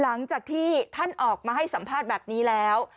ยังไงล่ะเช่าเน็ตวิจารณ์ขรมเลยนะบอกเวลามันน้อยไปแหม